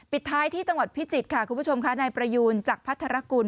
ท้ายที่จังหวัดพิจิตรค่ะคุณผู้ชมค่ะนายประยูนจักรพัทรกุล